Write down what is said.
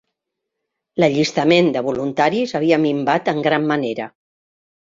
L'allistament de voluntaris havia minvat en gran manera